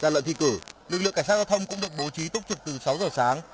lực lượng cảnh sát giao thông cũng được bố trí tốc trực từ sáu giờ sáng